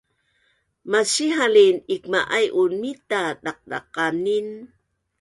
masihalin ikma’aiun mita daqdaqanin